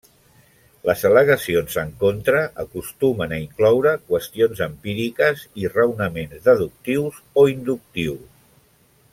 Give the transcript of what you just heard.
Les al·legacions en contra acostumen a incloure qüestions empíriques i raonaments deductius o inductius.